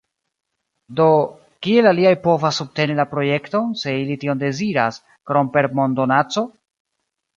Do, kiel aliaj povas subteni la projekton, se ili tion deziras, krom per mondonaco?